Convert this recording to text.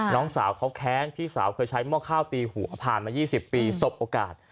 น้องสาวเขาแค้นพี่สาวเคยใช้หม้อข้าวตีหัวผ่านมา๒๐ปีสบโอกาส